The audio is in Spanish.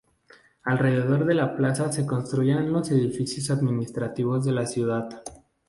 Alrededor de la plaza se construirían los edificios administrativos de la ciudad.